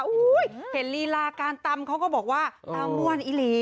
อุ้ยเห็นรีลาการตำเค้าก็บอกว่าตำม่วนอิริ